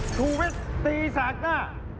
ทุวิทย์ตีสักนะ